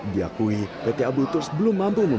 diakui pt abu turs belum mampu